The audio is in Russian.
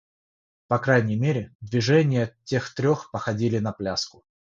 По крайней мере, движения тех трех походили на пляску.